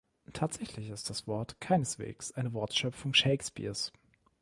Tatsächlich ist das Wort keineswegs eine Wortschöpfung Shakespeares.